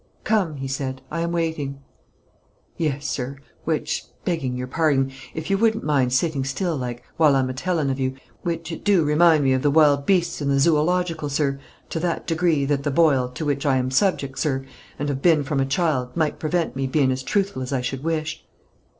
"Come," he said; "I am waiting." "Yes, sir; which, begging your parding, if you wouldn't mind sitting still like, while I'm a telling of you, which it do remind me of the wild beastes in the Zoological, sir, to that degree, that the boil, to which I am subjeck, sir, and have been from a child, might prevent me bein' as truthful as I should wish.